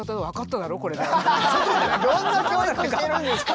どんな教育してるんですか！